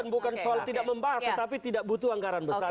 bukan soal tidak membahas tetapi tidak butuh anggaran besar